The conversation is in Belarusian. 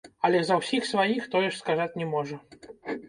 Але за ўсіх сваіх тое ж сказаць не можа.